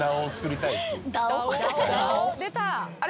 あれ？